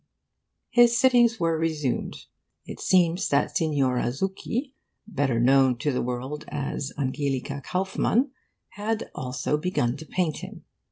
His sittings were resumed. It seems that Signora Zucchi, better known to the world as Angelica Kauffmann, had also begun to paint him.